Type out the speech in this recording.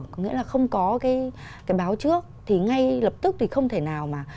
có nghĩa là không có cái báo trước thì ngay lập tức thì không thể nào mà